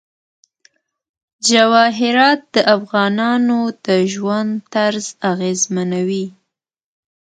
جواهرات د افغانانو د ژوند طرز اغېزمنوي.